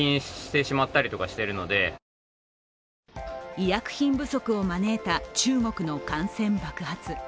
医薬品不足を招いた中国の感染爆発。